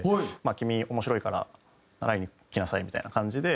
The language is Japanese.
「君面白いから習いに来なさい」みたいな感じで。